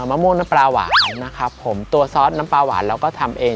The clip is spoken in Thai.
มะม่วงน้ำปลาหวานนะครับผมตัวซอสน้ำปลาหวานเราก็ทำเอง